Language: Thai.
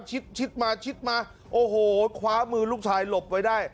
ชิดมาชิดมาโอ้โหคว้ามือลูกชายหลบไว้ได้